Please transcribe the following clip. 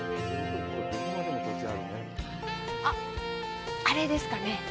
あっ、あれですかね。